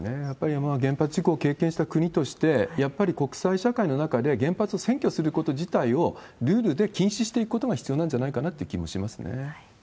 やっぱり原発事故を経験した国として、やっぱり国際社会の中で原発を占拠すること自体をルールで禁止していくことが必要なんじゃないかなっていう気もしますね。